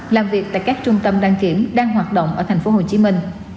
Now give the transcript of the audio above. làm việc tại các trung tâm đăng kiểm đang hoạt động ở thành phố hồ chí minh